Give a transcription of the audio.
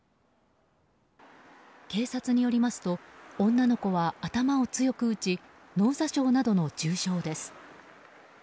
警察によりますと女の子は頭を強く打ち脳挫傷などの重傷です。